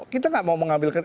kita enggak mau mengambilkan